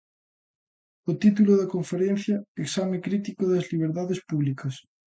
O título da conferencia, Exame crítico das liberdades públicas.